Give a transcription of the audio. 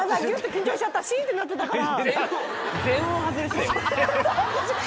緊張しちゃったシンってなってたから。